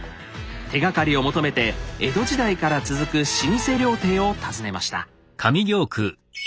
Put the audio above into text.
手がかりを求めて江戸時代から続く老舗料亭を訪ねました。